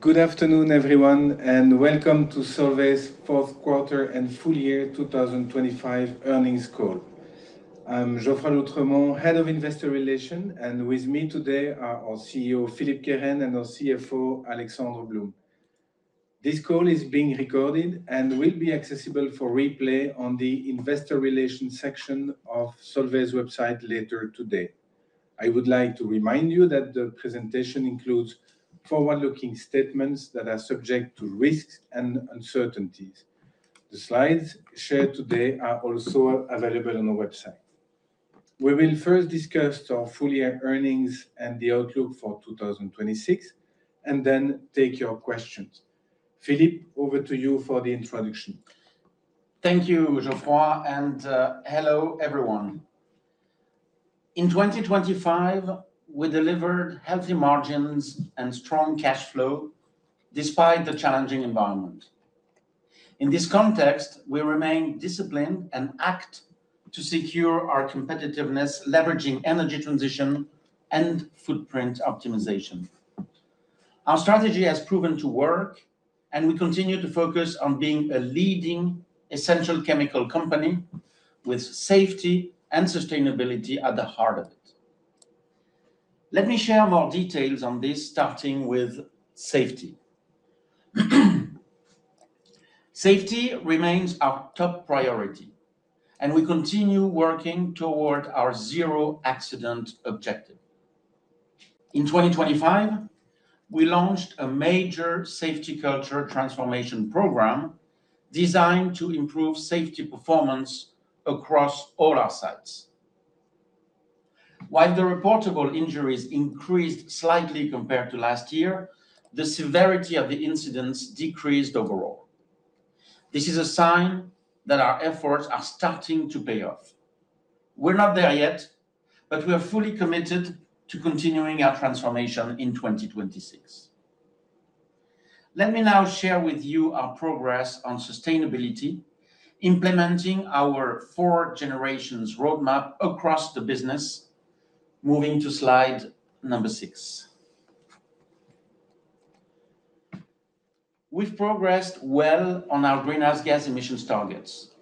Good afternoon, everyone. Welcome to Solvay's fourth quarter and full year 2025 earnings call. I'm Geoffroy d'Oultremont, Head of Investor Relations. With me today are our CEO, Philippe Kehren, and our CFO, Alexandre Blum. This call is being recorded. Will be accessible for replay on the Investor Relations section of Solvay's website later today. I would like to remind you that the presentation includes forward-looking statements that are subject to risks and uncertainties. The slides shared today are also available on our website. We will first discuss our full year earnings and the outlook for 2026. Then take your questions. Philippe, over to you for the introduction. Thank you, Geoffroy. Hello, everyone. In 2025, we delivered healthy margins and strong cash flow despite the challenging environment. In this context, we remain disciplined and act to secure our competitiveness, leveraging energy transition and footprint optimization. Our strategy has proven to work, and we continue to focus on being a leading essential chemical company with safety and sustainability at the heart of it. Let me share more details on this, starting with safety. Safety remains our top priority, and we continue working toward our zero-accident objective. In 2025, we launched a major safety culture transformation program designed to improve safety performance across all our sites. While the reportable injuries increased slightly compared to last year, the severity of the incidents decreased overall. This is a sign that our efforts are starting to pay off. We're not there yet, but we are fully committed to continuing our transformation in 2026. Let me now share with you our progress on sustainability, implementing our Four Generations roadmap across the business. Moving to slide number six. We've progressed well on our greenhouse gas emissions targets.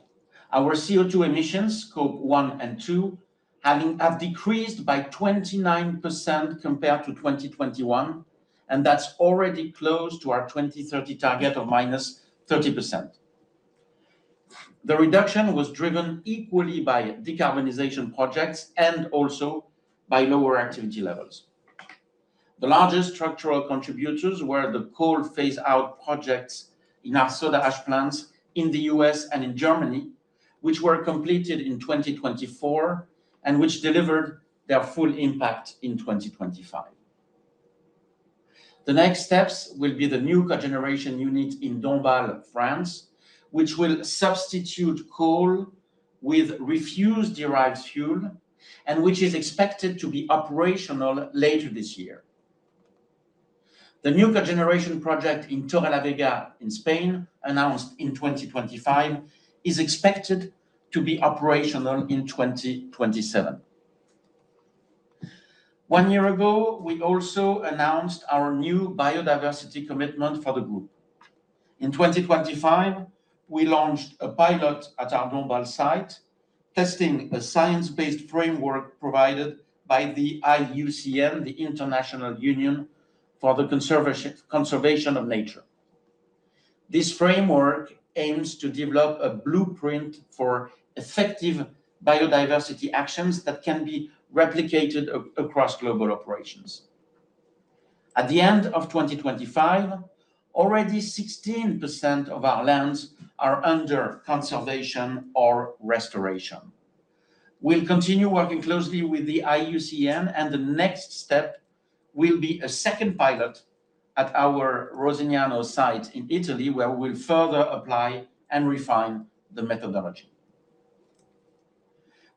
Our CO2 emissions, Scope one and two, have decreased by 29% compared to 2021, and that's already close to our 2030 target of -30%. The reduction was driven equally by decarbonization projects and also by lower activity levels. The largest structural contributors were the coal phase-out projects in our Soda Ash plants in the U.S. and in Germany, which were completed in 2024 and which delivered their full impact in 2025. The next steps will be the new cogeneration unit in Dombasle, France, which will substitute coal with refuse-derived fuel, and which is expected to be operational later this year. The new cogeneration project in Torrelavega in Spain, announced in 2025, is expected to be operational in 2027. One year ago, we also announced our new biodiversity commitment for the group. In 2025, we launched a pilot at our Dombasle site, testing a science-based framework provided by the IUCN, the International Union for Conservation of Nature. This framework aims to develop a blueprint for effective biodiversity actions that can be replicated across global operations. At the end of 2025, already 16% of our lands are under conservation or restoration. We'll continue working closely with the IUCN, the next step will be a second pilot at our Rosignano site in Italy, where we'll further apply and refine the methodology.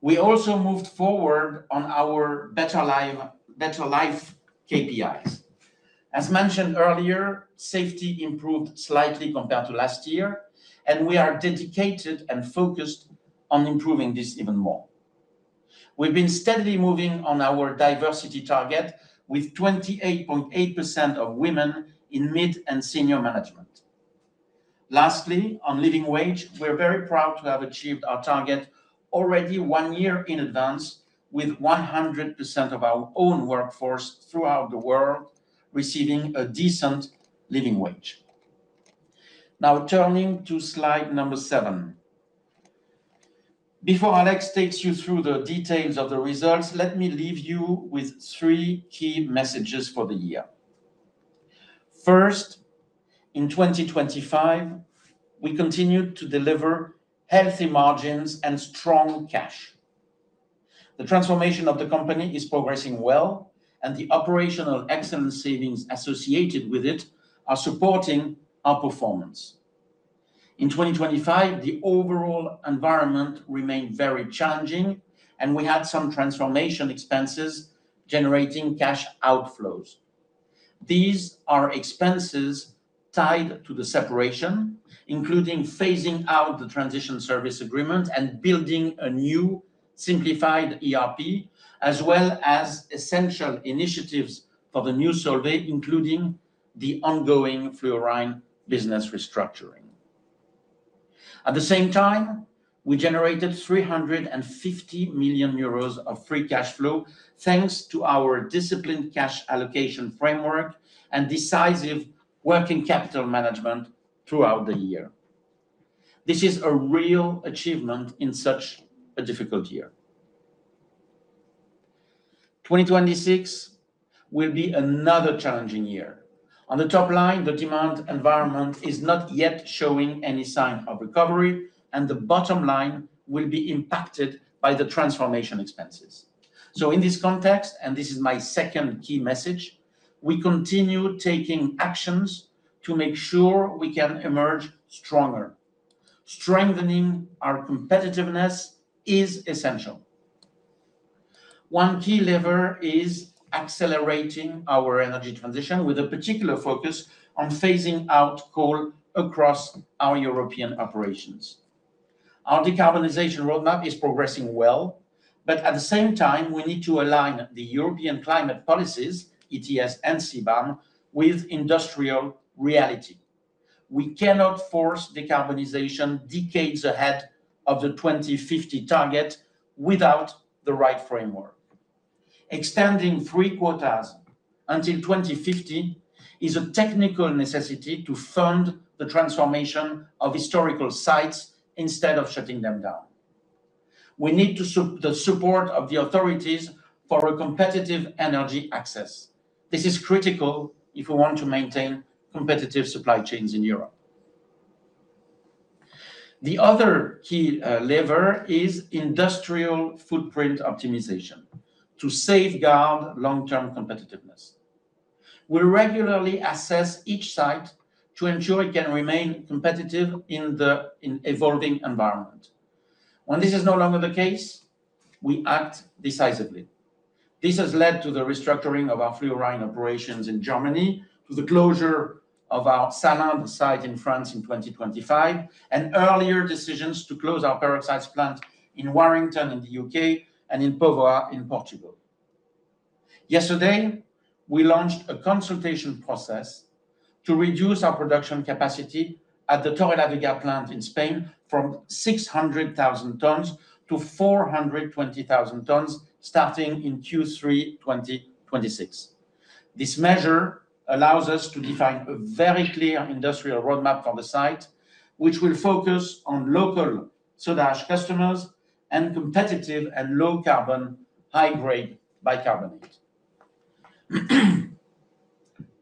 We also moved forward on our better life KPIs. As mentioned earlier, safety improved slightly compared to last year, and we are dedicated and focused on improving this even more. We've been steadily moving on our diversity target, with 28.8% of women in mid and senior management. On living wage, we're very proud to have achieved our target already one year in advance, with 100% of our own workforce throughout the world receiving a decent living wage. Turning to slide number seven. Before Alex takes you through the details of the results, let me leave you with three key messages for the year. First, in 2025, we continued to deliver healthy margins and strong cash. The transformation of the company is progressing well, and the operational excellence savings associated with it are supporting our performance. In 2025, the overall environment remained very challenging, and we had some transformation expenses generating cash outflows. These are expenses tied to the separation, including phasing out the Transition Service Agreement and building a new simplified ERP, as well as essential initiatives for the new Solvay, including the ongoing fluorine business restructuring. At the same time, we generated 350 million euros of free cash flow, thanks to our disciplined cash allocation framework and decisive working capital management throughout the year. This is a real achievement in such a difficult year. 2026 will be another challenging year. On the top line, the demand environment is not yet showing any sign of recovery, and the bottom line will be impacted by the transformation expenses. In this context, and this is my second key message, we continue taking actions to make sure we can emerge stronger. Strengthening our competitiveness is essential. One key lever is accelerating our energy transition, with a particular focus on phasing out coal across our European operations. Our decarbonization roadmap is progressing well, but at the same time, we need to align the European climate policies, ETS and CBAM, with industrial reality. We cannot force decarbonization decades ahead of the 2050 target without the right framework. Extending free quotas until 2050 is a technical necessity to fund the transformation of historical sites instead of shutting them down. We need the support of the authorities for a competitive energy access. This is critical if we want to maintain competitive supply chains in Europe. The other key lever is industrial footprint optimization to safeguard long-term competitiveness. We regularly assess each site to ensure it can remain competitive in evolving environment. When this is no longer the case, we act decisively. This has led to the restructuring of our fluorine operations in Germany, to the closure of our Salin site in France in 2025, and earlier decisions to close our peroxides plant in Warrington, in the U.K., and in Póvoa, in Portugal. Yesterday, we launched a consultation process to reduce our production capacity at the Torrelavega plant in Spain from 600,000 tons-420,000 tons, starting in Q3 2026. This measure allows us to define a very clear industrial roadmap for the site, which will focus on local Soda Ash customers and competitive and low-carbon, high-grade bicarbonate.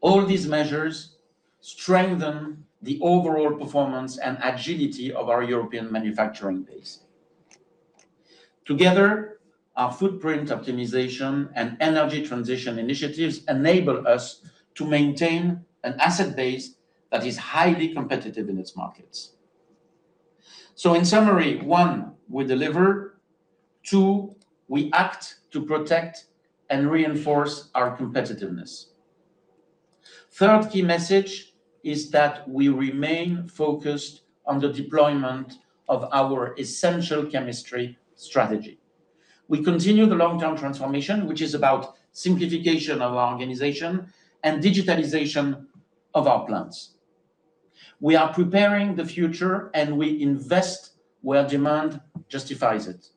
All these measures strengthen the overall performance and agility of our European manufacturing base. Together, our footprint optimization and energy transition initiatives enable us to maintain an asset base that is highly competitive in its markets. In summary, one, we deliver. Two, we act to protect and reinforce our competitiveness. Third key message is that we remain focused on the deployment of our essential chemistry strategy. We continue the long-term transformation, which is about simplification of our organization and digitalization of our plants. We are preparing the future, and we invest where demand justifies it.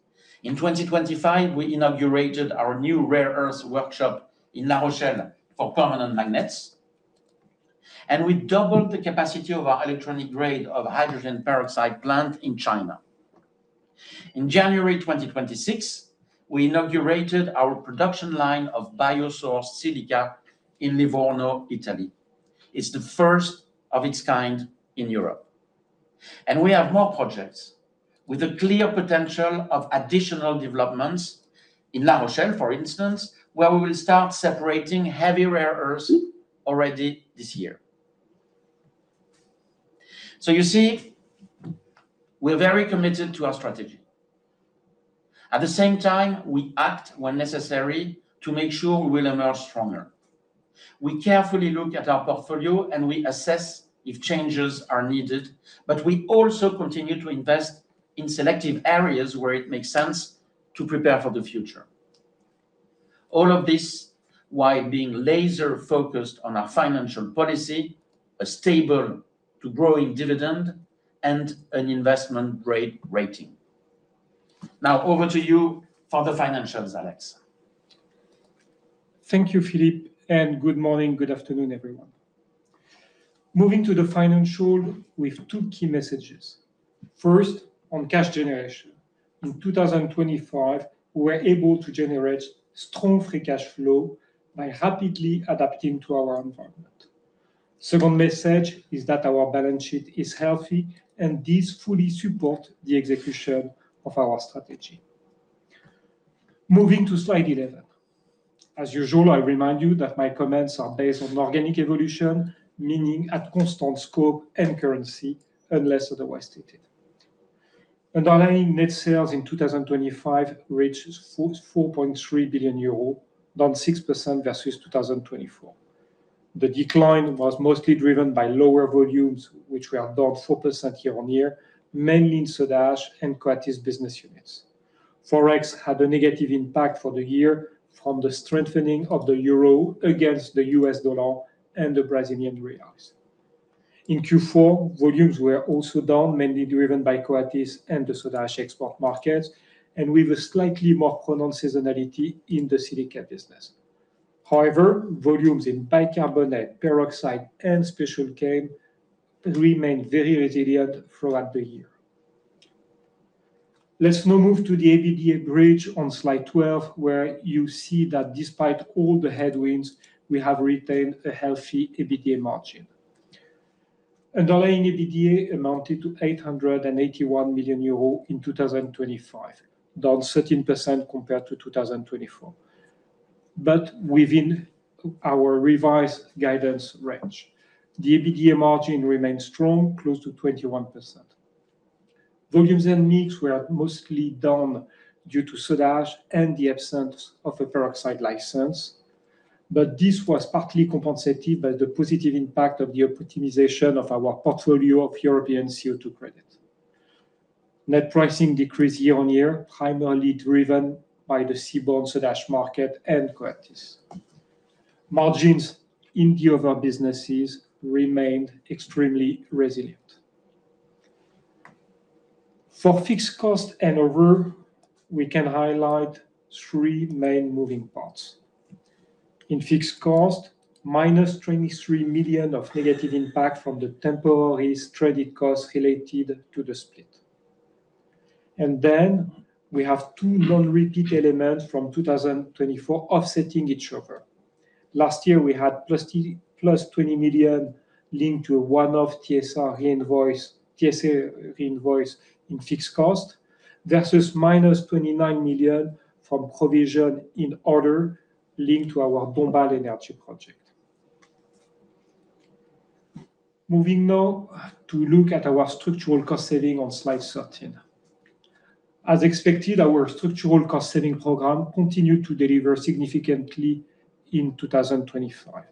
In 2025, we inaugurated our new rare earths workshop in La Rochelle for permanent magnets. We doubled the capacity of our Electronic Grade hydrogen peroxide plant in China. In January 2026, we inaugurated our production line of biosourced silica in Livorno, Italy. It's the first of its kind in Europe. We have more projects, with a clear potential of additional developments in La Rochelle, for instance, where we will start separating heavy rare earths already this year. You see, we're very committed to our strategy. At the same time, we act when necessary to make sure we will emerge stronger. We carefully look at our portfolio. We assess if changes are needed. We also continue to invest in selective areas where it makes sense to prepare for the future. All of this while being laser-focused on our financial policy, a stable to growing dividend, and an investment-grade rating. Now over to you for the financials, Alex. Thank you, Philippe. Good morning, good afternoon, everyone. Moving to the financial with two key messages. First, on cash generation. In 2025, we were able to generate strong free cash flow by rapidly adapting to our environment. Second message is that our balance sheet is healthy, and this fully support the execution of our strategy. Moving to slide 11. As usual, I remind you that my comments are based on organic evolution, meaning at constant scope and currency, unless otherwise stated. Underlying net sales in 2025 reached 4.3 billion euro, down 6% versus 2024. The decline was mostly driven by lower volumes, which were down 4% year-on-year, mainly in Soda Ash and Coatis business units. Forex had a negative impact for the year from the strengthening of the euro against the US dollar and the Brazilian reals. In Q4, volumes were also down, mainly driven by Coatis and the Soda Ash export markets, with a slightly more pronounced seasonality in the Silica business. However, volumes in bicarbonate, peroxide, and Special Chem remained very resilient throughout the year. Let's now move to the EBITDA bridge on slide 12, where you see that despite all the headwinds, we have retained a healthy EBITDA margin. Underlying EBITDA amounted to 881 million euros in 2025, down 13% compared to 2024, within our revised guidance range. The EBITDA margin remains strong, close to 21%. Volumes and mix were mostly down due to Soda Ash and the absence of a peroxide license, this was partly compensated by the positive impact of the optimization of our portfolio of European CO2 credit. Net pricing decreased year-on-year, primarily driven by the seaborne Soda Ash market and Coatis. Margins in the other businesses remained extremely resilient. For fixed cost and ARWO, we can highlight three main moving parts. In fixed cost, minus 23 million of negative impact from the temporary stranded costs related to the split. We have two non-repeat elements from 2024 offsetting each other. Last year, we had plus 20 million linked to a one-off TSA reinvoice in fixed cost, versus minus 29 million from provision in order linked to our Dombasle Énergie project. Moving now to look at our structural cost saving on slide 13. As expected, our structural cost saving program continued to deliver significantly in 2025,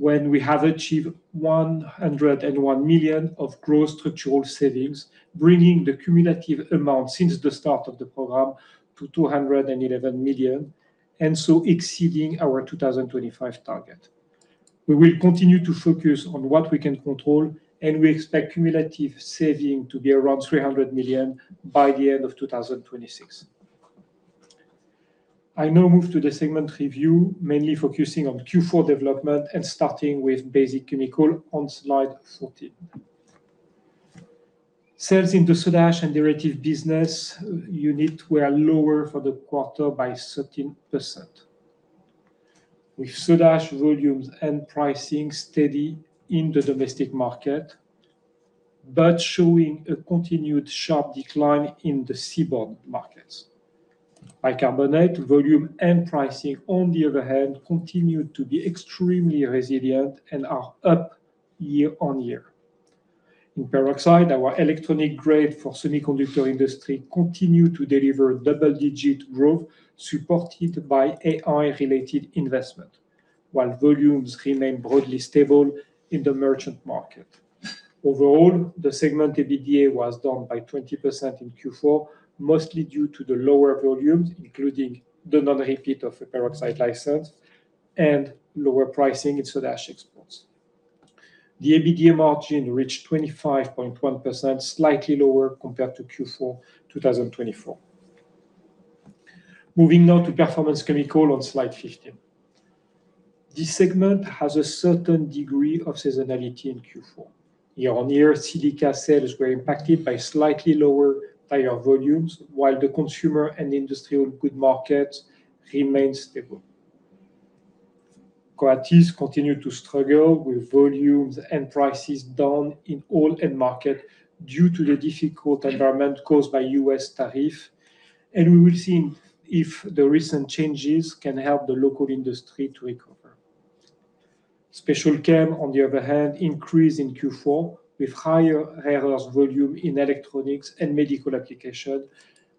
when we have achieved 101 million of gross structural savings, bringing the cumulative amount since the start of the program to 211 million, exceeding our 2025 target. We will continue to focus on what we can control, and we expect cumulative saving to be around 300 million by the end of 2026. I now move to the segment review, mainly focusing on Q4 development and starting with Basic Chemicals on slide 14. Sales in the Soda Ash & Derivatives Business Unit were lower for the quarter by 13%, with Soda Ash volumes and pricing steady in the domestic market, but showing a continued sharp decline in the seaborne markets. Bicarbonate volume and pricing, on the other hand, continued to be extremely resilient and are up year-on-year. In Peroxide, our Electronic Grade for semiconductor industry continued to deliver double-digit growth, supported by AI-related investment, while volumes remained broadly stable in the merchant market. Overall, the segment EBITDA was down by 20% in Q4, mostly due to the lower volumes, including the non-repeat of a peroxide license and lower pricing in Soda Ash exports. The EBITDA margin reached 25.1%, slightly lower compared to Q4 2024. Moving now to Performance Chemicals on slide 15. This segment has a certain degree of seasonality in Q4. Year-on-year, Silica sales were impacted by slightly lower tire volumes, while the consumer and industrial good markets remained stable. Coatis continued to struggle, with volumes and prices down in all end market due to the difficult environment caused by U.S. tariff. We will see if the recent changes can help the local industry to recover. Special Chem, on the other hand, increased in Q4, with higher volume in electronics and medical application,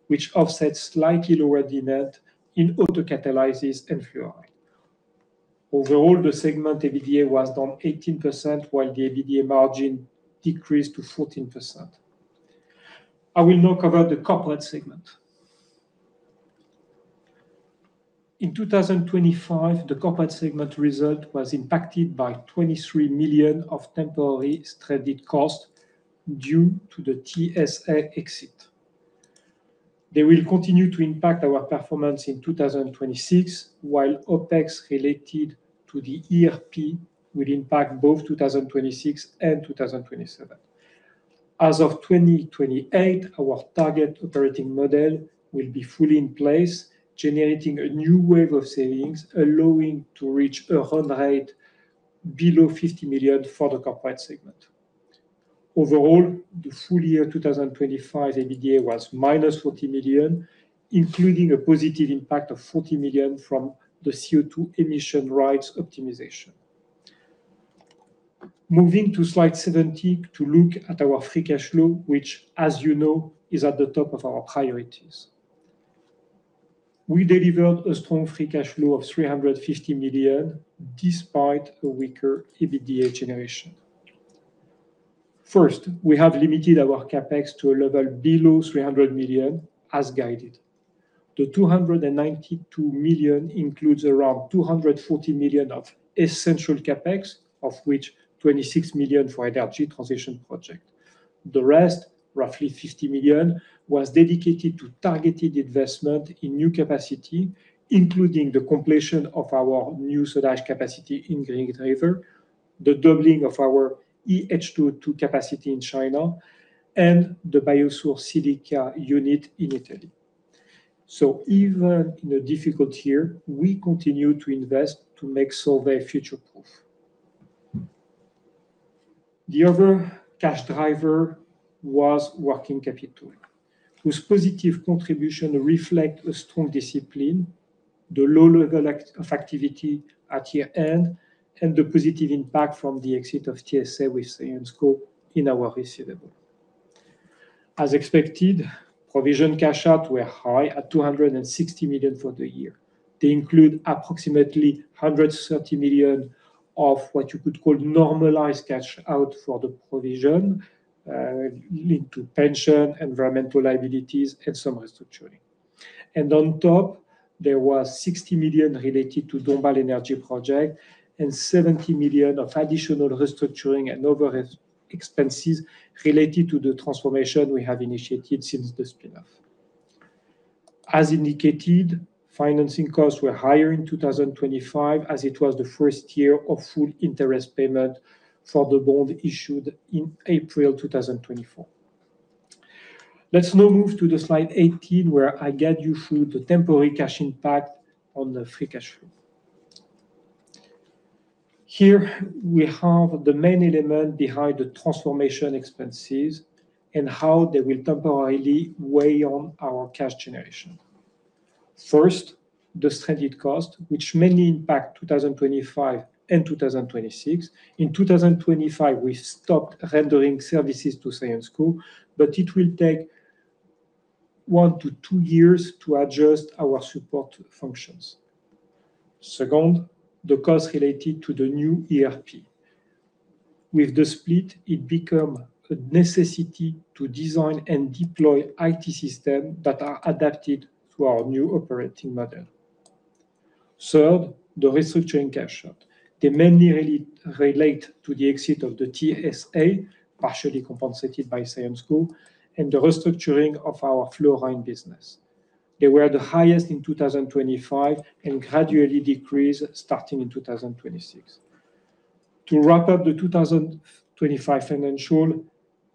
which offset slightly lower demand in autocatalysis and fluoride. Overall, the segment EBITDA was down 18%, while the EBITDA margin decreased to 14%. I will now cover the Corporate segment. In 2025, the Corporate segment result was impacted by 23 million of temporary stranded costs due to the TSA exit. They will continue to impact our performance in 2026, while OpEx related to the ERP will impact both 2026 and 2027. As of 2028, our target operating model will be fully in place, generating a new wave of savings, allowing to reach a run rate below 50 million for the Corporate segment. Overall, the full year 2025 EBITDA was minus 40 million, including a positive impact of 40 million from the CO2 emission rights optimization. Moving to slide 70 to look at our free cash flow, which, as you know, is at the top of our priorities. We delivered a strong free cash flow of 350 million, despite a weaker EBITDA generation. First, we have limited our CapEx to a level below 300 million, as guided. The 292 million includes around 240 million of essential CapEx, of which 26 million for energy transition project. The rest, roughly 50 million, was dedicated to targeted investment in new capacity, including the completion of our new soda ash capacity in Green River, the doubling of our H2O2 capacity in China and the biosourced silica unit in Italy. Even in a difficult year, we continue to invest to make Solvay future-proof. The other cash driver was working capital, whose positive contribution reflect a strong discipline, the low level act of activity at year-end, and the positive impact from the exit of TSA with Syensqo in our receivable. As expected, provision cash out were high at 260 million for the year. They include approximately 130 million of what you could call normalized cash out for the provision linked to pension, environmental liabilities, and some restructuring. On top, there was 60 million related to Dombasle Énergie project and 70 million of additional restructuring and overhead expenses related to the transformation we have initiated since the spin-off. As indicated, financing costs were higher in 2025, as it was the first year of full interest payment for the bond issued in April 2024. Let's now move to the slide 18, where I guide you through the temporary cash impact on the free cash flow. Here, we have the main element behind the transformation expenses and how they will temporarily weigh on our cash generation. First, the stranded cost, which mainly impact 2025 and 2026. In 2025, we stopped rendering services to Syensqo, but it will take one to two years to adjust our support functions. Second, the cost related to the new ERP. With the split, it become a necessity to design and deploy IT system that are adapted to our new operating model. Third, the restructuring cash out. They mainly relate to the exit of the TSA, partially compensated by Syensqo, and the restructuring of our fluorine business. They were the highest in 2025 and gradually decrease starting in 2026. To wrap up the 2025 financial,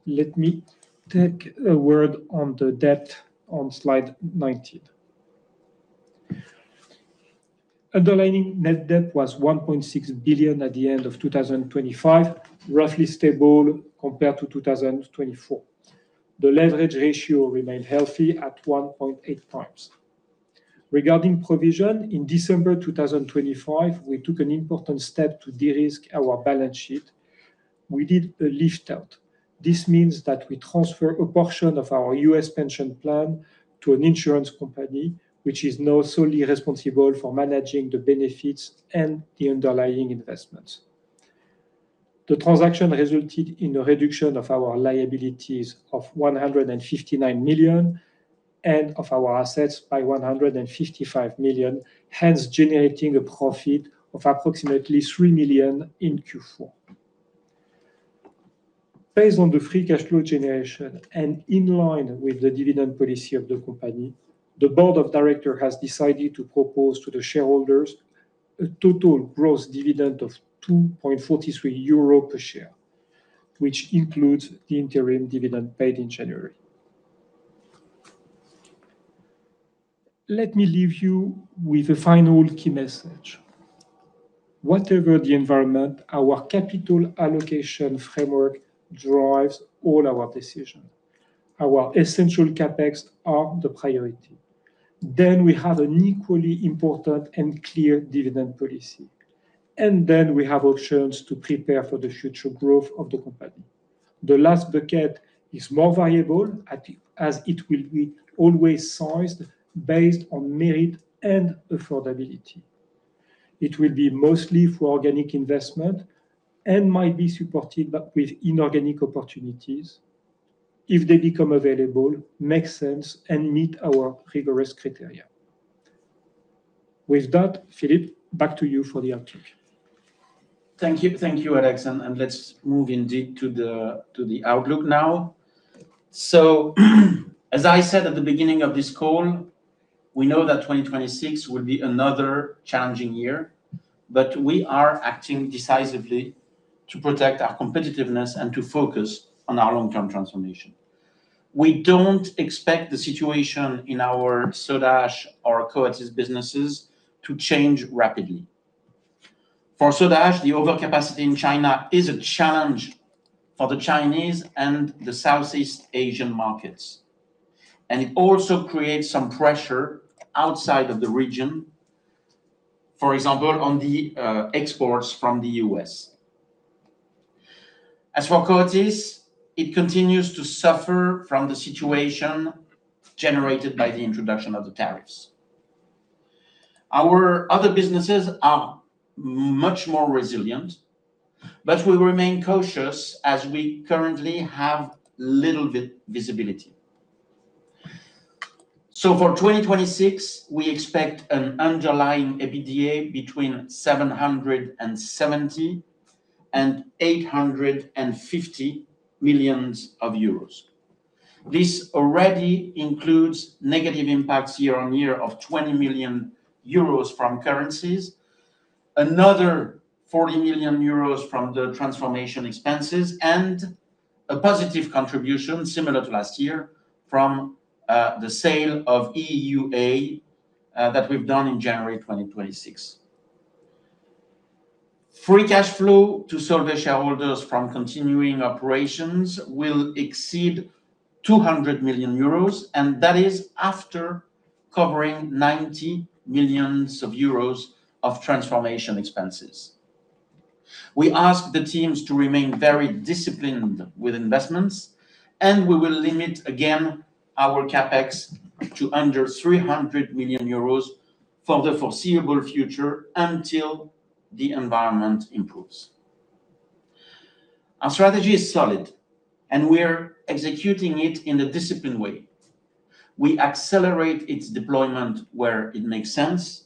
let me take a word on the debt on slide 19. Underlying net debt was 1.6 billion at the end of 2025, roughly stable compared to 2024. The leverage ratio remained healthy at 1.8x. Regarding provision, in December 2025, we took an important step to de-risk our balance sheet. We did a lift-out. This means that we transfer a portion of our U.S. pension plan to an insurance company, which is now solely responsible for managing the benefits and the underlying investments. The transaction resulted in a reduction of our liabilities of 159 million, and of our assets by 155 million, hence generating a profit of approximately 3 million in Q4. Based on the free cash flow generation and in line with the dividend policy of the company, the board of directors has decided to propose to the shareholders a total gross dividend of 2.43 euro per share, which includes the interim dividend paid in January. Let me leave you with a final key message: Whatever the environment, our capital allocation framework drives all our decisions. Our essential CapEx are the priority. We have an equally important and clear dividend policy, and then we have options to prepare for the future growth of the company. The last bucket is more variable as it will be always sized based on merit and affordability. It will be mostly for organic investment and might be supported, but with inorganic opportunities if they become available, make sense, and meet our rigorous criteria. With that, Philippe, back to you for the outlook. Thank you. Thank you, Alexandre. Let's move indeed to the outlook now. As I said at the beginning of this call, we know that 2026 will be another challenging year. We are acting decisively to protect our competitiveness and to focus on our long-term transformation. We don't expect the situation in our Soda Ash or Coatis businesses to change rapidly. For Soda Ash, the overcapacity in China is a challenge for the Chinese and the Southeast Asian markets. It also creates some pressure outside of the region, for example, on the exports from the U.S. As for Coatis, it continues to suffer from the situation generated by the introduction of the tariffs. Our other businesses are much more resilient. We remain cautious as we currently have little visibility. For 2026, we expect an underlying EBITDA between 770 and EUR 850 million. This already includes negative impacts year-on-year of 20 million euros from currencies, another 40 million euros from the transformation expenses, and a positive contribution, similar to last year, from the sale of EUA that we've done in January 2026. Free cash flow to Solvay shareholders from continuing operations will exceed 200 million euros. That is after covering 90 million euros of transformation expenses. We ask the teams to remain very disciplined with investments. We will limit again our CapEx to under 300 million euros for the foreseeable future, until the environment improves. Our strategy is solid, and we're executing it in a disciplined way. We accelerate its deployment where it makes sense.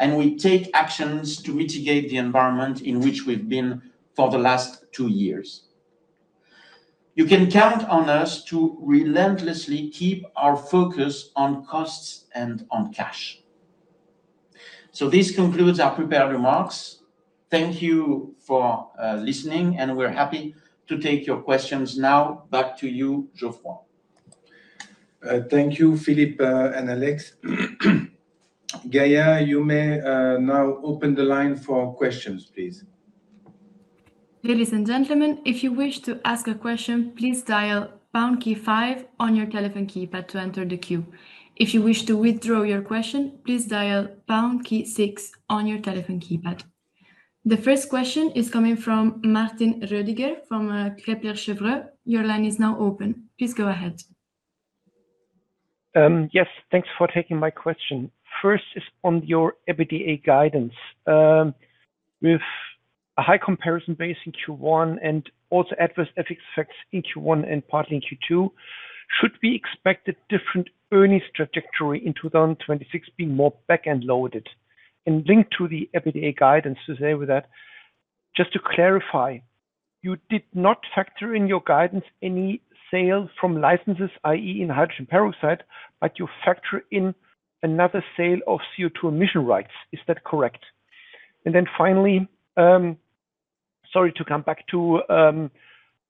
We take actions to mitigate the environment in which we've been for the last two years. You can count on us to relentlessly keep our focus on costs and on cash. This concludes our prepared remarks. Thank you for listening, and we're happy to take your questions now. Back to you, Geoffroy. Thank you, Philippe, and Alex. Gaia, you may now open the line for questions, please. Ladies and gentlemen, if you wish to ask a question, please dial pound key five on your telephone keypad to enter the queue. If you wish to withdraw your question, please dial pound key six on your telephone keypad. The first question is coming from Martin Rödiger from Kepler Cheuvreux. Your line is now open. Please go ahead. Yes, thanks for taking my question. First is on your EBITDA guidance. With a high comparison base in Q1 and also adverse FX effects in Q1 and partly in Q2, should we expect a different earnings trajectory in 2026 being more back-end loaded? Linked to the EBITDA guidance, to stay with that, just to clarify, you did not factor in your guidance any sales from licenses, i.e., in hydrogen peroxide, but you factor in another sale of CO2 emission rights. Is that correct? Finally, sorry to come back to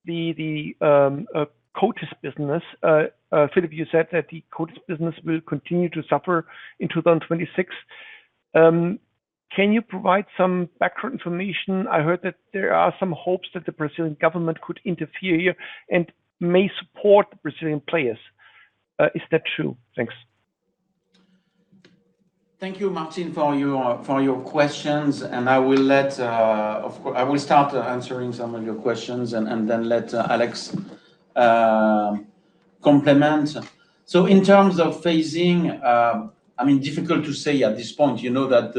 the Coatis business. Philippe, you said that the Coatis business will continue to suffer in 2026. Can you provide some background information? I heard that there are some hopes that the Brazilian government could interfere here and may support Brazilian players. Is that true? Thanks. Thank you, Martin, for your questions, I will let Alex complement. I mean, difficult to say at this point. You know that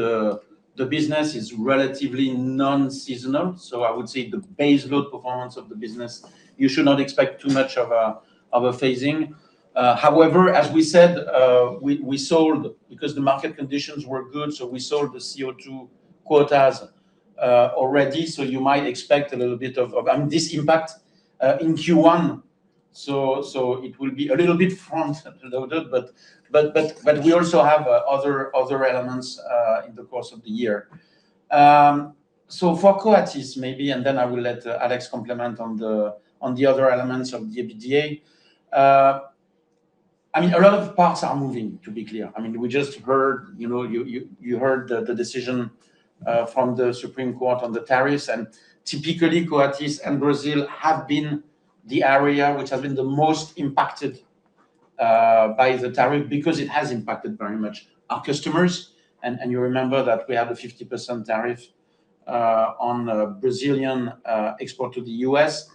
the business is relatively non-seasonal, I would say the base load performance of the business, you should not expect too much of a phasing. However, as we said, we sold because the market conditions were good, we sold the CO2 quotas already, you might expect a little bit of this impact in Q1. It will be a little bit front-loaded, but we also have other elements in the course of the year. For Coatis, maybe, and then I will let Alex complement on the other elements of the EBITDA. A lot of parts are moving, to be clear. We just heard, you heard the decision from the Supreme Court on the tariffs. Typically, Coatis and Brazil have been the area which have been the most impacted by the tariff, because it has impacted very much our customers. You remember that we have a 50% tariff on Brazilian export to the U.S.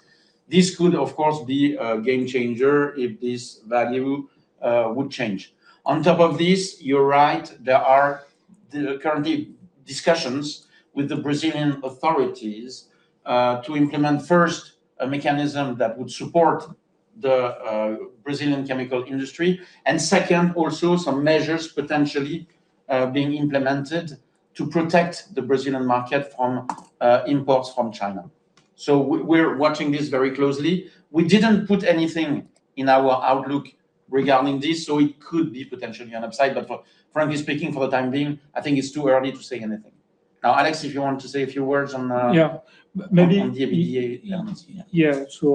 This could, of course, be a game changer if this value would change. On top of this, you're right, there are the currently discussions with the Brazilian authorities to implement, first, a mechanism that would support the Brazilian chemical industry. Second, also some measures potentially being implemented to protect the Brazilian market from imports from China. We're watching this very closely. We didn't put anything in our outlook regarding this, so it could be potentially an upside. For, frankly speaking, for the time being, I think it's too early to say anything. Now, Alex, if you want to say a few words on. Yeah, maybe- On the EBITDA elements. Yeah.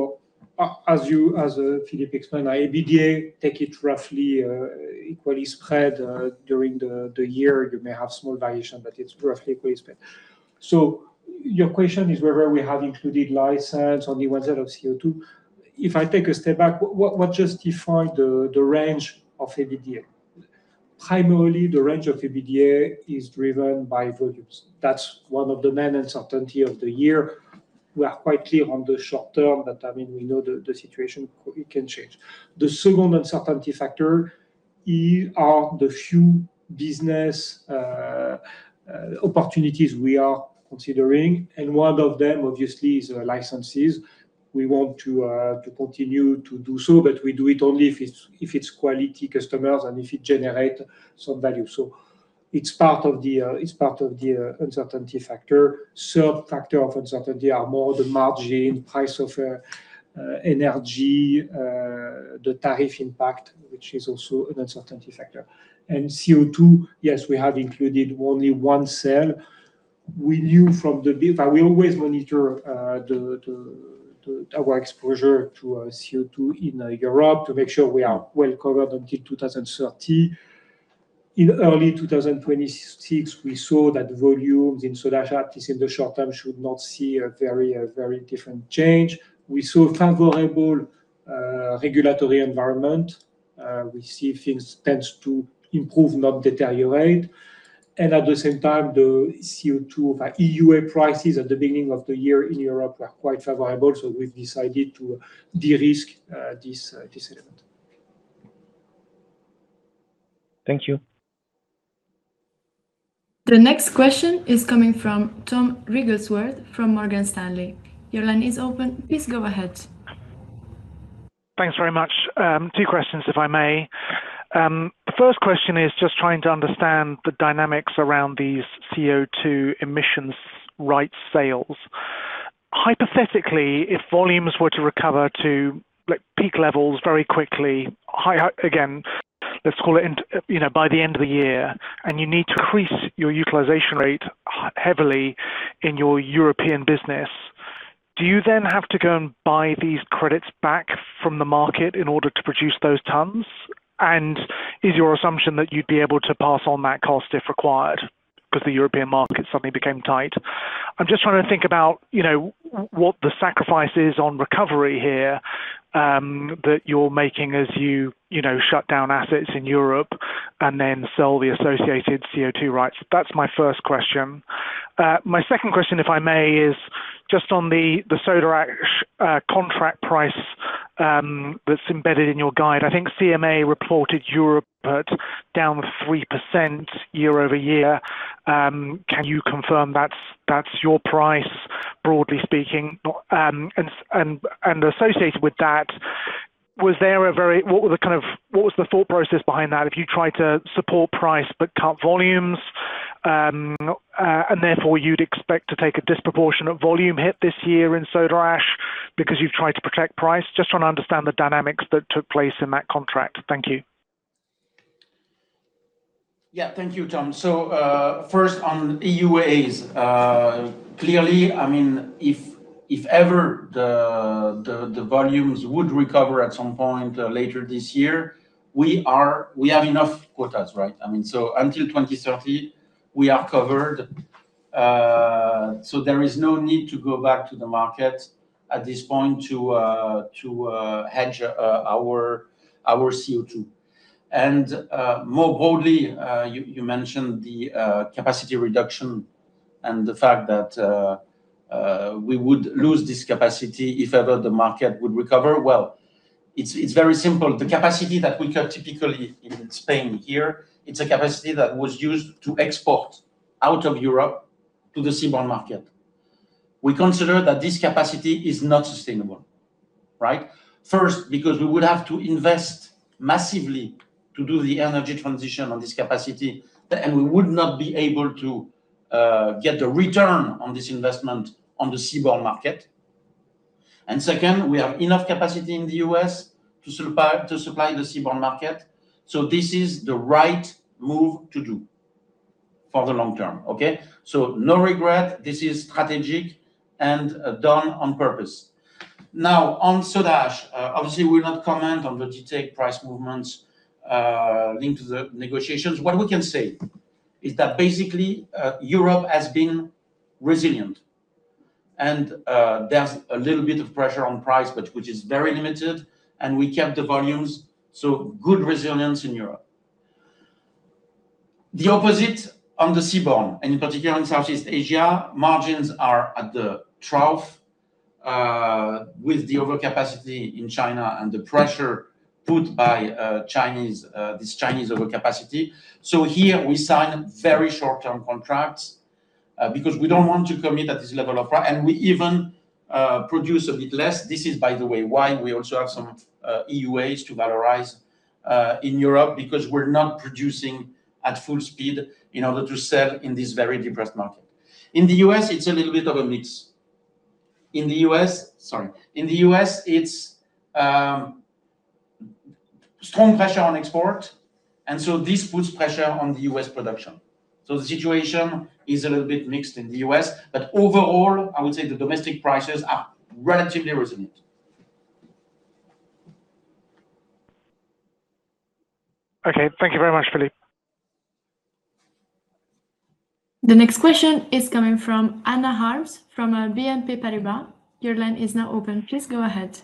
As you, as Philippe explained, our EBITDA, take it roughly, equally spread, during the year. You may have small variation, but it's roughly equally spread.... your question is whether we have included license on the one side of CO2. If I take a step back, what justify the range of EBITDA? Primarily, the range of EBITDA is driven by volumes. That's one of the main uncertainty of the year. We are quite clear on the short term, but, I mean, we know the situation, it can change. The second uncertainty factor is, are the few business opportunities we are considering, and one of them, obviously, is the licenses. We want to continue to do so, but we do it only if it's quality customers, and if it generate some value. It's part of the uncertainty factor. Third factor of uncertainty are more the margin, price of energy, the tariff impact, which is also an uncertainty factor. CO2, yes, we have included only one cell. We always monitor our exposure to CO2 in Europe to make sure we are well covered until 2030. In early 2026, we saw that volumes in Soda Ash, at least in the short term, should not see a very different change. We saw a favorable regulatory environment. We see things tends to improve, not deteriorate. At the same time, the CO2 of EUA prices at the beginning of the year in Europe were quite favorable, so we've decided to de-risk this element. Thank you. The next question is coming from Tom Wrigglesworth from Morgan Stanley. Your line is open. Please go ahead. Thanks very much. Two questions, if I may. The first question is just trying to understand the dynamics around these CO2 emissions rights sales. Hypothetically, if volumes were to recover to, like, peak levels very quickly, high up again, let's call it in, you know, by the end of the year, and you need to increase your utilization rate heavily in your European business, do you then have to go and buy these credits back from the market in order to produce those tons? And is your assumption that you'd be able to pass on that cost if required, 'cause the European market suddenly became tight? I'm just trying to think about, you know, what the sacrifice is on recovery here, that you're making as you know, shut down assets in Europe and then sell the associated CO2 rights. That's my first question. My second question, if I may, is just on the Soda Ash contract price that's embedded in your guide. I think CMA reported Europe down 3% year-over-year. Can you confirm that's your price, broadly speaking? And associated with that, what were the, kind of, what was the thought process behind that, if you tried to support price but cut volumes, and therefore, you'd expect to take a disproportionate volume hit this year in Soda Ash because you've tried to protect price? Just trying to understand the dynamics that took place in that contract. Thank you. Thank you, Tom. First, on EUAs, clearly, I mean, if ever the, the volumes would recover at some point, later this year, we have enough quotas, right? I mean, until 2030, we are covered. There is no need to go back to the market at this point to hedge our CO2. More broadly, you mentioned the capacity reduction and the fact that we would lose this capacity if ever the market would recover. It's very simple. The capacity that we cut typically in Spain here, it's a capacity that was used to export out of Europe to the seaborne market. We consider that this capacity is not sustainable, right? First, because we would have to invest massively to do the energy transition on this capacity, and we would not be able to get a return on this investment on the seaborne market. Second, we have enough capacity in the U.S. to supply the seaborne market, so this is the right move to do for the long term, okay? No regret, this is strategic and done on purpose. On Soda Ash, obviously, we'll not comment on the detailed price movements linked to the negotiations. What we can say is that basically, Europe has been resilient and there's a little bit of pressure on price, but which is very limited, and we kept the volumes, so good resilience in Europe. The opposite on the seaborne, and in particular, in Southeast Asia, margins are at the trough with the overcapacity in China and the pressure put by Chinese, this Chinese overcapacity. Here we sign very short-term contracts because we don't want to commit at this level of price and we even produce a bit less. This is, by the way, why we also have some EUAs to valorize in Europe, because we're not producing at full speed in order to sell in this very depressed market. In the U.S., it's a little bit of a mix. Sorry. In the U.S., it's strong pressure on export, and so this puts pressure on the U.S. production. The situation is a little bit mixed in the U.S., but overall, I would say the domestic prices are relatively resilient. Okay, thank you very much, Philippe. The next question is coming from Anna Harms from BNP Paribas. Your line is now open. Please go ahead.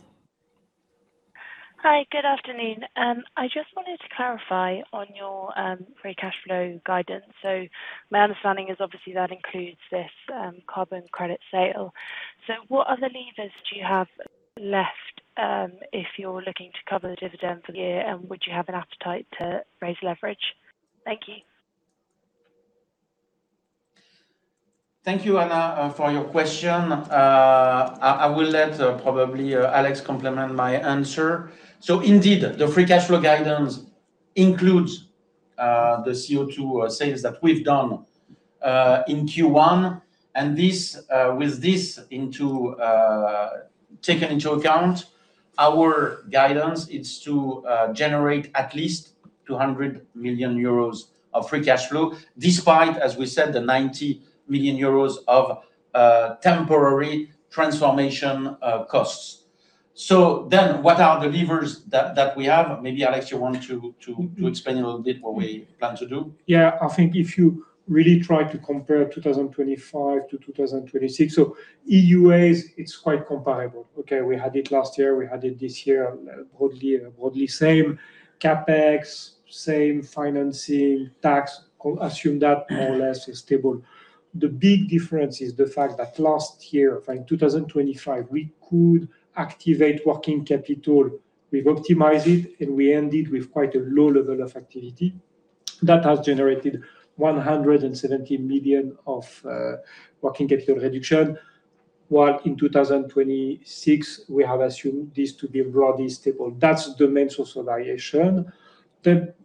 Hi, good afternoon. I just wanted to clarify on your free cash flow guidance. My understanding is obviously that includes this carbon credit sale. What other levers do you have left if you're looking to cover the dividend for the year, and would you have an appetite to raise leverage? Thank you. Thank you, Anna, for your question. I will let, probably, Alex complement my answer. Indeed, the free cash flow guidance includes the CO2 sales that we've done in Q1, and this with this into taken into account, our guidance is to generate at least 200 million euros of free cash flow, despite, as we said, the 90 million euros of temporary transformation costs. What are the levers that we have? Maybe, Alex, you want to explain a little bit what we plan to do. Yeah. I think if you really try to compare 2025 to 2026, EUAs, it's quite comparable. Okay, we had it last year, we had it this year, broadly same. CapEx, same financing, tax, assume that more or less is stable. The big difference is the fact that last year, in 2025, we could activate working capital. We've optimized it, we ended with quite a low level of activity. That has generated 170 million of working capital reduction, while in 2026, we have assumed this to be broadly stable. That's the main source of variation.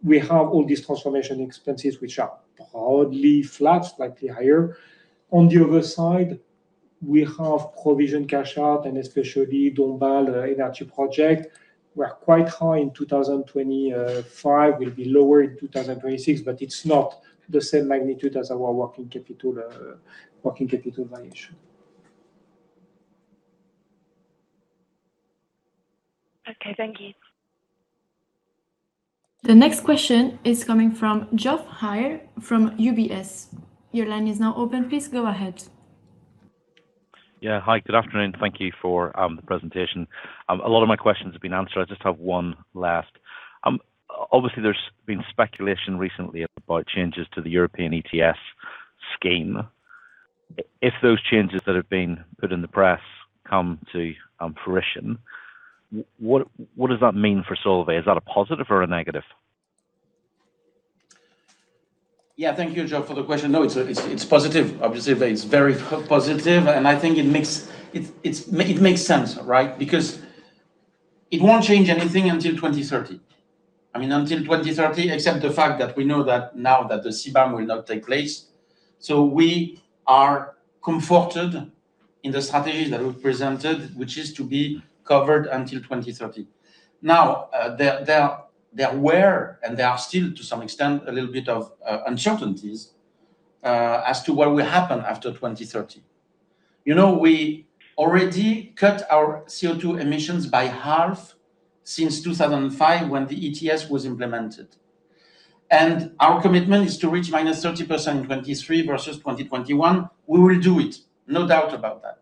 We have all these transformation expenses, which are broadly flat, slightly higher. On the other side, we have provision cash out, and especially Dombasle Énergie project, were quite high in 2025, will be lower in 2026, but it's not the same magnitude as our working capital, working capital variation. Okay, thank you. The next question is coming from Geoff Haire from UBS. Your line is now open. Please go ahead. Yeah. Hi, good afternoon. Thank you for the presentation. A lot of my questions have been answered. I just have one last. Obviously, there's been speculation recently about changes to the European ETS scheme. If those changes that have been put in the press come to fruition, what does that mean for Solvay? Is that a positive or a negative? Yeah, thank you, Geoff, for the question. No, it's positive. Obviously, it's very positive, and I think it makes sense, right? Because it won't change anything until 2030. I mean, until 2030, except the fact that we know that now that the CBAM will not take place. We are comforted in the strategy that we've presented, which is to be covered until 2030. There were, and there are still, to some extent, a little bit of uncertainties, as to what will happen after 2030. You know, we already cut our CO2 emissions by half since 2005, when the ETS was implemented, and our commitment is to reach -30% in 2023 versus 2021. We will do it, no doubt about that.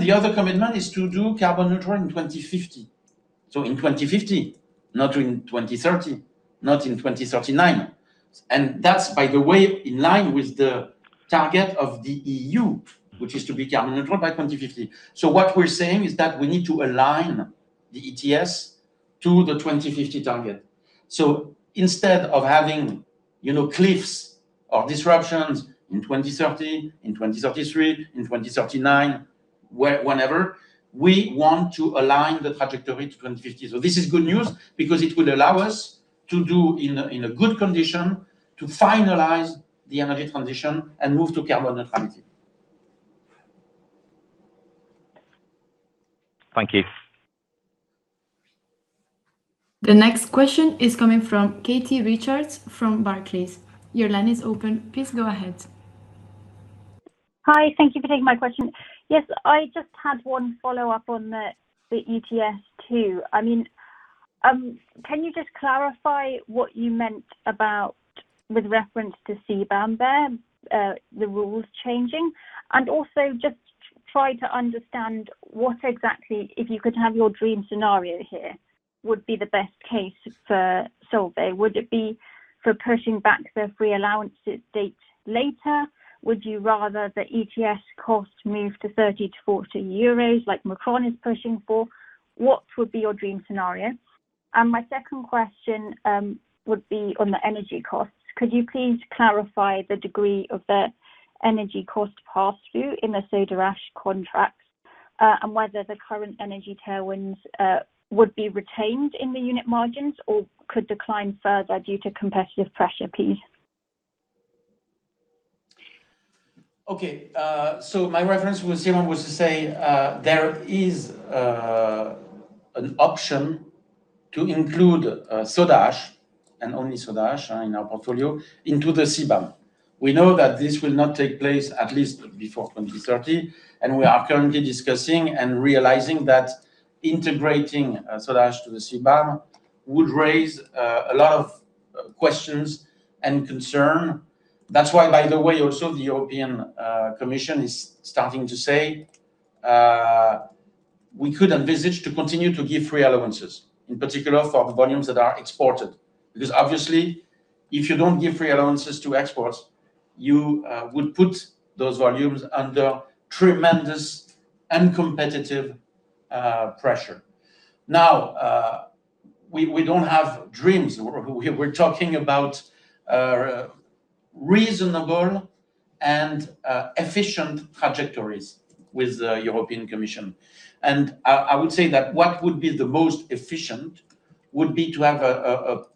The other commitment is to do carbon neutral in 2050. In 2050, not in 2030, not in 2039. That's, by the way, in line with the target of the EU, which is to be carbon neutral by 2050. What we're saying is that we need to align the ETS to the 2050 target. Instead of having, you know, cliffs or disruptions in 2030, in 2033, in 2039, whenever, we want to align the trajectory to 2050. This is good news because it will allow us to do in a good condition, to finalize the energy transition and move to carbon neutrality. Thank you. The next question is coming from Katie Richards from Barclays. Your line is open. Please go ahead. Hi, thank you for taking my question. Yes, I just had one follow-up on the ETS, too. Can you just clarify what you meant about with reference to CBAM there, the rules changing? Also just try to understand what exactly, if you could have your dream scenario here, would be the best case for Solvay. Would it be for pushing back the free allowances date later? Would you rather the ETS cost move to 30-40 euros, like Macron is pushing for? What would be your dream scenario? My second question would be on the energy costs. Could you please clarify the degree of the energy cost pass-through in the Soda Ash contracts, and whether the current energy tailwinds would be retained in the unit margins or could decline further due to competitive pressure, please? My reference with Simon was to say, there is an option to include Soda Ash, and only Soda Ash in our portfolio, into the CBAM. We know that this will not take place at least before 2030, and we are currently discussing and realizing that integrating Solvay to the CBAM would raise a lot of questions and concern. That's why, by the way, also the European Commission is starting to say, we could envisage to continue to give free allowances, in particular for the volumes that are exported. Because obviously, if you don't give free allowances to exports, you would put those volumes under tremendous uncompetitive pressure. We don't have dreams. We're talking about reasonable and efficient trajectories with the European Commission. I would say that what would be the most efficient would be to have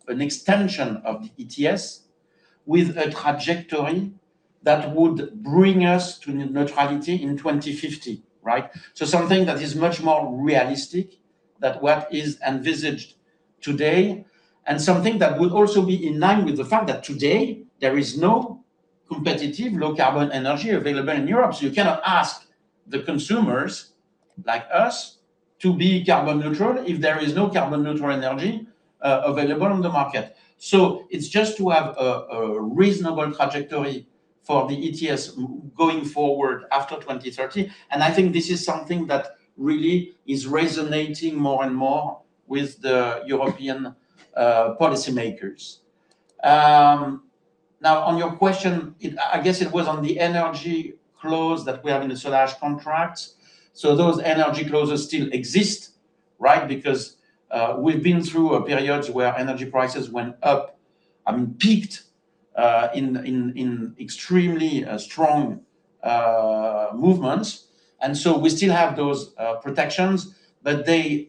an extension of the ETS with a trajectory that would bring us to neutrality in 2050, right. Something that is much more realistic than what is envisaged today, and something that would also be in line with the fact that today there is no competitive low-carbon energy available in Europe. You cannot ask the consumers like us to be carbon neutral if there is no carbon neutral energy available on the market. It's just to have a reasonable trajectory for the ETS going forward after 2030, and I think this is something that really is resonating more and more with the European policymakers. Now, on your question, I guess it was on the energy clause that we have in the Soda Ash contract. Those energy clauses still exist, right? Because we've been through a period where energy prices went up, I mean, peaked in extremely strong movements, and so we still have those protections, but they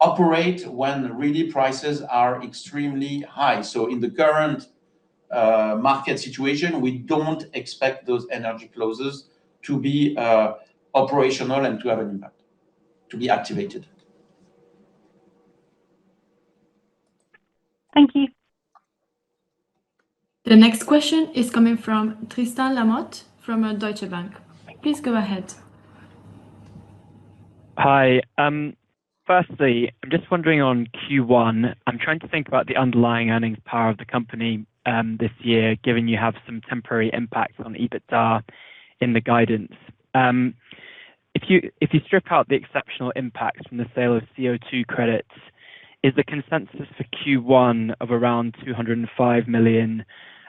operate when really prices are extremely high. In the current market situation, we don't expect those energy clauses to be operational and to have an impact, to be activated. Thank you. The next question is coming from Tristan Lamotte, from Deutsche Bank. Please go ahead. Hi. Firstly, I'm just wondering on Q1, I'm trying to think about the underlying earnings power of the company this year, given you have some temporary impacts on the EBITDA in the guidance. If you, if you strip out the exceptional impacts from the sale of CO2 credits, is the consensus for Q1 of around 205 million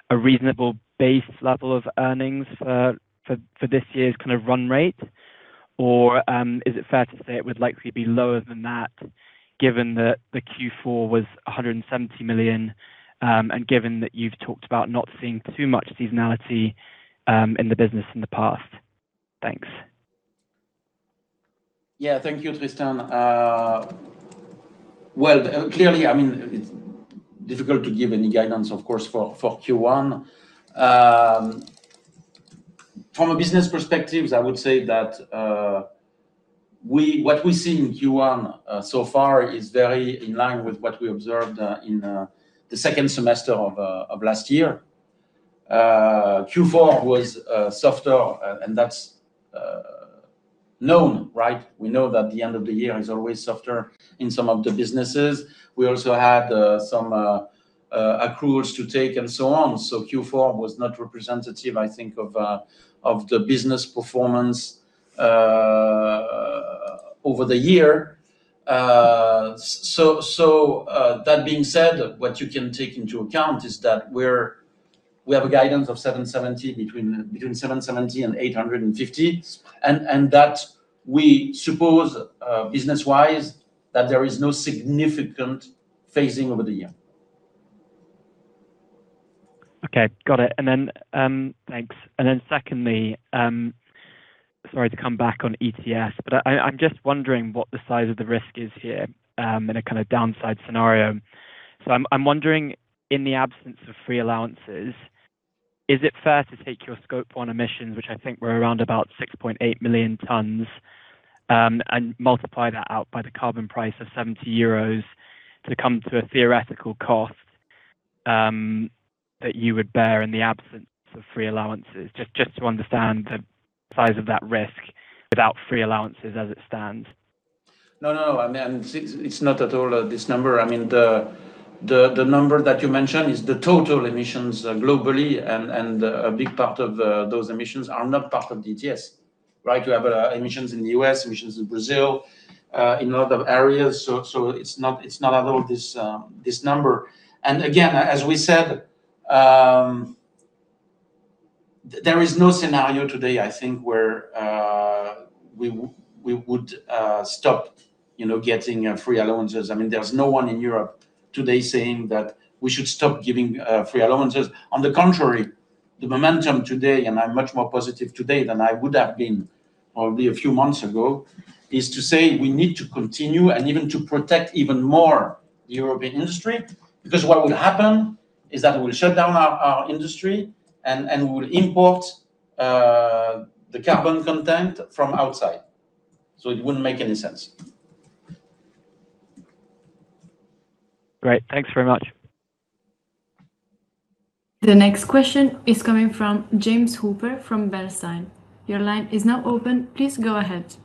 a reasonable base level of earnings for this year's kind of run rate? Is it fair to say it would likely be lower than that, given that the Q4 was 170 million, and given that you've talked about not seeing too much seasonality in the business in the past? Thanks. Yeah. Thank you, Tristan. Well, clearly, I mean, it's difficult to give any guidance, of course, for Q1. From a business perspective, I would say that what we see in Q1 so far is very in line with what we observed in the second semester of last year. Q4 was softer, that's known, right? We know that the end of the year is always softer in some of the businesses. We also had some accruals to take and so on. Q4 was not representative, I think, of the business performance over the year. That being said, what you can take into account is that we have a guidance of 770 million, between 770 million and 850 million, and that we suppose, business-wise, that there is no significant phasing over the year. Okay. Got it. Thanks. Secondly, sorry to come back on ETS, but I'm just wondering what the size of the risk is here in a kind of downside scenario. I'm wondering, in the absence of free allowances, is it fair to take your Scope 1 emissions, which I think were around about 6.8 million tons, and multiply that out by the carbon price of 70 euros to come to a theoretical cost that you would bear in the absence of free allowances? Just to understand the size of that risk without free allowances as it stands. No, no, I mean, it's not at all this number. I mean, the number that you mentioned is the total emissions globally, a big part of those emissions are not part of the ETS, right? You have emissions in the US, emissions in Brazil, in a lot of areas, it's not, it's not at all this number. Again, as we said, there is no scenario today, I think, where we would stop, you know, getting free allowances. I mean, there's no one in Europe today saying that we should stop giving free allowances. On the contrary, the momentum today, and I'm much more positive today than I would have been probably a few months ago, is to say we need to continue and even to protect even more European industry. What will happen is that we'll shut down our industry, and we'll import the carbon content from outside. It wouldn't make any sense. Great. Thanks very much. The next question is coming from James Hooper from Bernstein. Your line is now open. Please go ahead.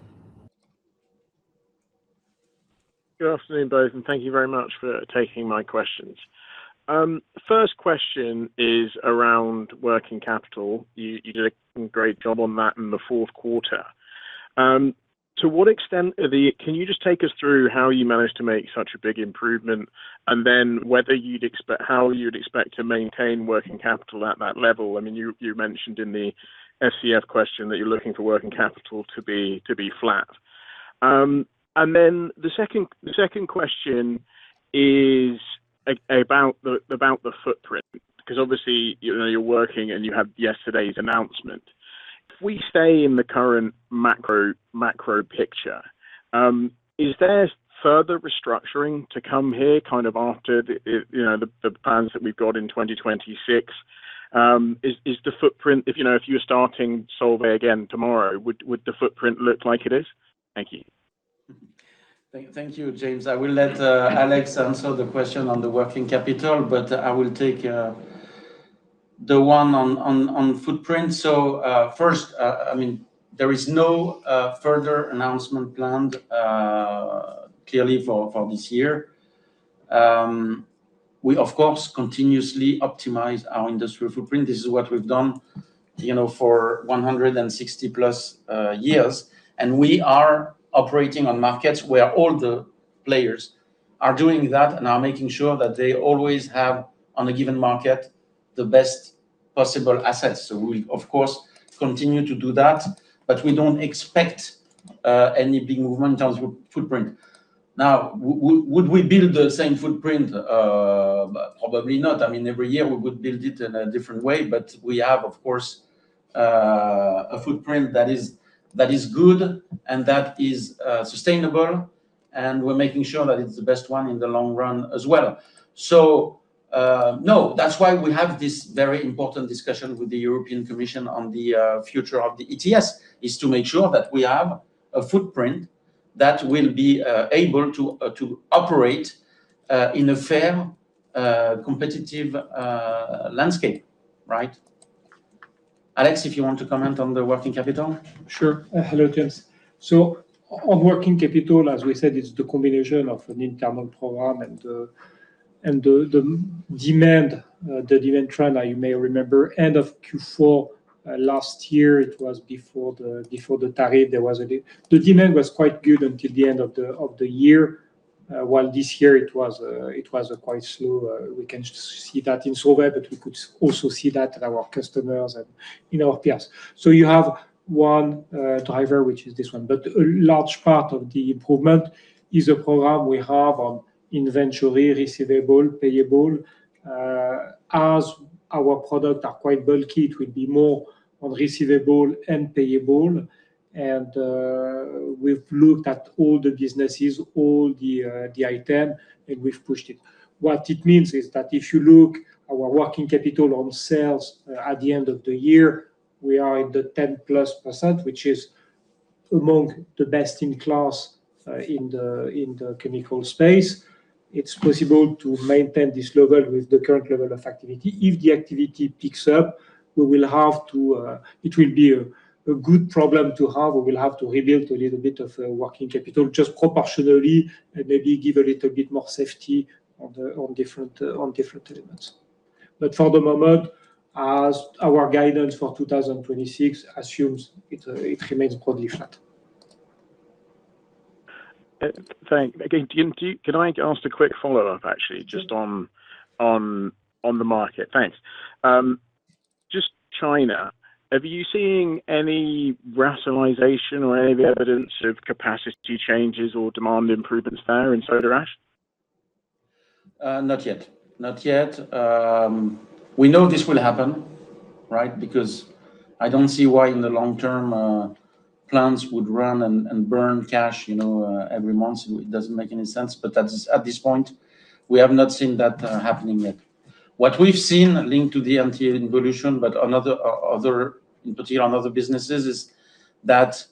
Good afternoon, both. Thank you very much for taking my questions. First question is around working capital. You did a great job on that in the fourth quarter. To what extent can you just take us through how you managed to make such a big improvement, and then whether you'd expect how you'd expect to maintain working capital at that level? I mean, you mentioned in the SCF question that you're looking for working capital to be flat. Then the second question is about the footprint, 'cause obviously, you know, you're working, and you have yesterday's announcement. If we stay in the current macro picture, is there further restructuring to come here, kind of after the, you know, the plans that we've got in 2026? Is the footprint... If, you know, if you were starting Solvay again tomorrow, would the footprint look like it is? Thank you. Thank you, thank you, James. I will let Alex answer the question on the working capital, but I will take the one on footprint. First, I mean, there is no further announcement planned clearly for this year. We, of course, continuously optimize our industrial footprint. This is what we've done, you know, for 160+ years, we are operating on markets where all the players are doing that and are making sure that they always have, on a given market, the best possible assets. We, of course, continue to do that, but we don't expect any big movement in terms of footprint. Now, would we build the same footprint? Probably not. I mean, every year we would build it in a different way, but we have, of course, a footprint that is, that is good and that is sustainable, and we're making sure that it's the best one in the long run as well. No, that's why we have this very important discussion with the European Commission on the future of the ETS, is to make sure that we have a footprint that will be able to operate in a fair, competitive landscape, right? Alex, if you want to comment on the working capital. Sure. Hello, James. On working capital, as we said, it's the combination of an internal program and the demand, the demand trend. Now, you may remember, end of Q4 last year, it was before the, before the tariff, there was the demand was quite good until the end of the, of the year. While this year it was quite slow. We can see that in Solvay, we could also see that in our customers and, you know, yes. You have one driver, which is this one, a large part of the improvement is a program we have on inventory, receivable, payable. As our products are quite bulky, it would be more on receivable and payable. We've looked at all the businesses, all the item, we've pushed it. What it means is that if you look our working capital on sales, at the end of the year, we are in the 10%+ which is among the best in class in the chemical space. It's possible to maintain this level with the current level of activity. If the activity picks up, we will have to. It will be a good problem to have. We will have to rebuild a little bit of working capital, just proportionally, and maybe give a little bit more safety on different elements. For the moment, as our guidance for 2026 assumes, it remains broadly flat. Again, can you, can I ask a quick follow-up, actually? Sure... just on the market? Thanks. Just China, have you seen any rationalization or any evidence of capacity changes or demand improvements there in Soda Ash? Not yet. Not yet. We know this will happen, right? Because I don't see why, in the long term, plants would run and burn cash, you know, every month. It doesn't make any sense, but at this, at this point, we have not seen that happening yet. What we've seen linked to the MTA evolution, but another, other, in particular, on other businesses, is that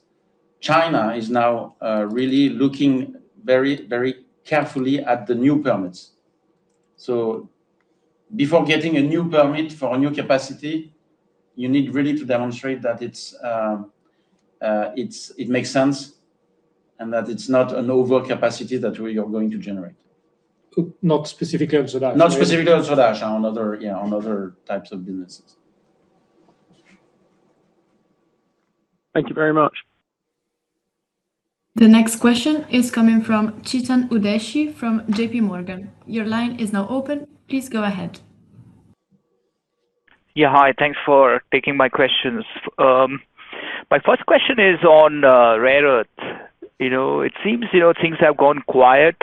China is now really looking very, very carefully at the new permits. Before getting a new permit for a new capacity, you need really to demonstrate that it makes sense and that it's not an overcapacity that we are going to generate. Not specifically on Soda Ash. Not specifically on Soda Ash, on other, yeah, on other types of businesses. Thank you very much. The next question is coming from Chetan Udeshi from JP Morgan. Your line is now open. Please go ahead. Yeah. Hi, thanks for taking my questions. My first question is on rare earths. You know, it seems, you know, things have gone quiet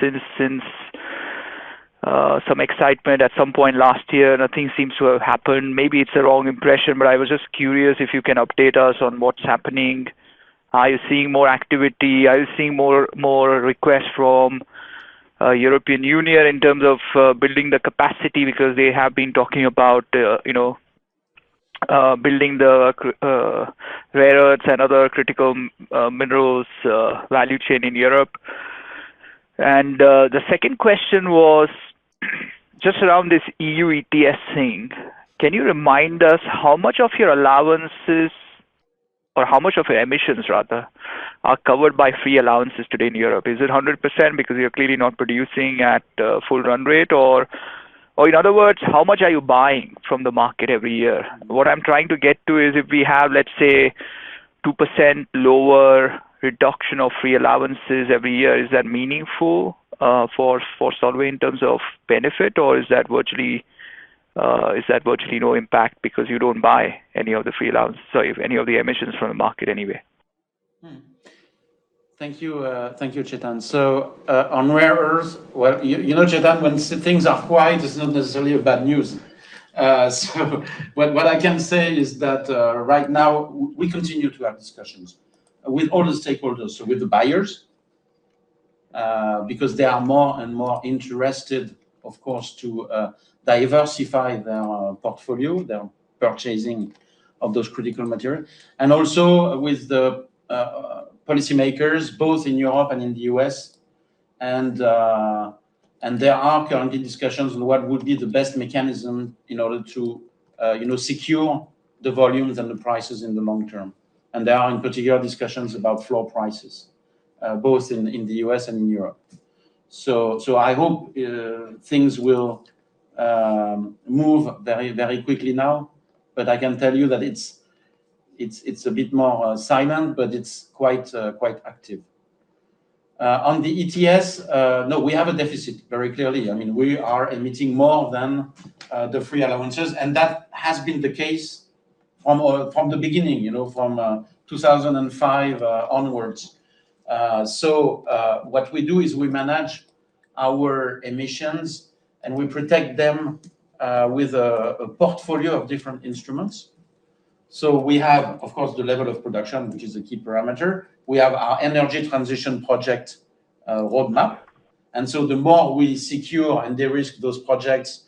since some excitement at some point last year, nothing seems to have happened. Maybe it's a wrong impression, but I was just curious if you can update us on what's happening. Are you seeing more activity? Are you seeing more requests from European Union in terms of building the capacity? Because they have been talking about, you know, building the rare earths and other critical minerals value chain in Europe. The second question was just around this EU ETS thing. Can you remind us how much of your allowances or how much of your emissions, rather, are covered by free allowances today in Europe? Is it 100% because you're clearly not producing at full run rate? Or in other words, how much are you buying from the market every year? What I'm trying to get to is if we have, let's say, 2% lower reduction of free allowances every year, is that meaningful for Solvay in terms of benefit? Is that virtually no impact because you don't buy any of the free allowance, sorry, any of the emissions from the market anyway? Thank you, thank you, Chetan. On rare earths, well, you know, Chetan, when things are quiet, it's not necessarily a bad news. What I can say is that right now we continue to have discussions with all the stakeholders, so with the buyers, because they are more and more interested, of course, to diversify their portfolio, their purchasing of those critical material, and also with the policymakers, both in Europe and in the U.S. There are currently discussions on what would be the best mechanism in order to, you know, secure the volumes and the prices in the long term. There are, in particular, discussions about floor prices, both in the U.S. and in Europe. I hope things will move very, very quickly now. I can tell you that it's a bit more silent, but it's quite active. On the ETS, no, we have a deficit very clearly. I mean, we are emitting more than the free allowances. That has been the case from the beginning, you know, from 2005 onwards. What we do is we manage our emissions, and we protect them with a portfolio of different instruments. We have, of course, the level of production, which is a key parameter. We have our energy transition project roadmap. The more we secure and de-risk those projects,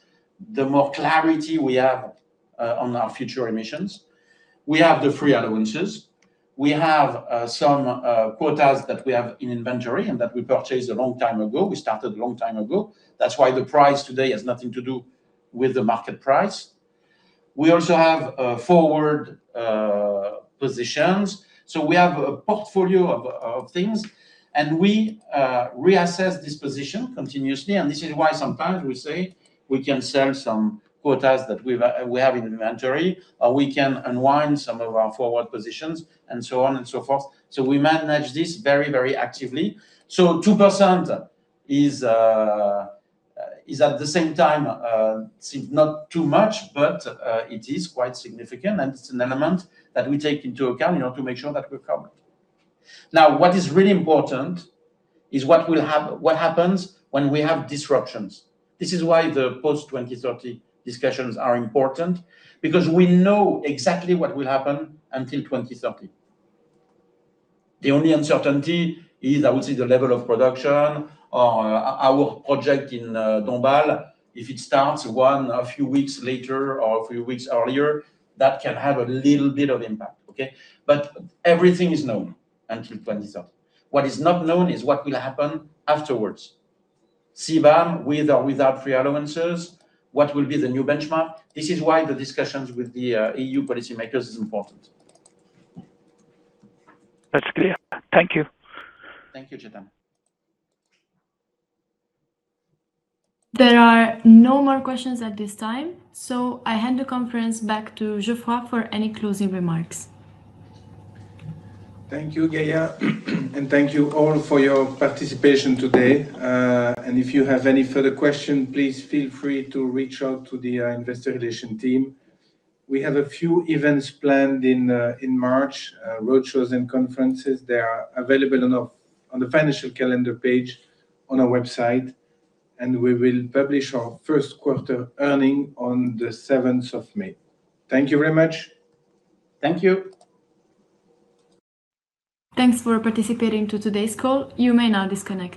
the more clarity we have on our future emissions. We have the free allowances. We have some quotas that we have in inventory and that we purchased a long time ago. We started a long time ago. That's why the price today has nothing to do with the market price. We also have forward positions. We have a portfolio of things, and we reassess this position continuously, and this is why sometimes we say we can sell some quotas that we have in inventory, or we can unwind some of our forward positions, and so on and so forth. We manage this very, very actively. 2% is at the same time seems not too much, but it is quite significant, and it's an element that we take into account, you know, to make sure that we're covered. What is really important is what happens when we have disruptions. This is why the post-2030 discussions are important, because we know exactly what will happen until 2030. The only uncertainty is, I would say, the level of production or our project in Dombasle. If it starts a few weeks later or a few weeks earlier, that can have a little bit of impact, okay? Everything is known until 2030. What is not known is what will happen afterwards. CBAM, with or without free allowances, what will be the new benchmark? This is why the discussions with the EU policymakers is important. That's clear. Thank you. Thank you, Chetan. There are no more questions at this time, so I hand the conference back to Geoffroy for any closing remarks. Thank you, Gaia, and thank you all for your participation today. If you have any further question, please feel free to reach out to the investor relation team. We have a few events planned in March, road shows and conferences. They are available on the financial calendar page on our website. We will publish our first quarter earning on the seventh of May. Thank you very much. Thank you. Thanks for participating to today's call. You may now disconnect.